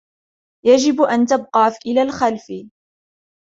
یجب ان تبقی الی الخلف.